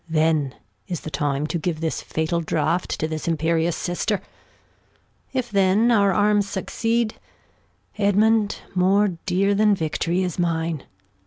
Then is the Time to give this fatal Draught To this Imperious Sister ; if then our Arms succeed, Edmund, more dear then Victory, is mine.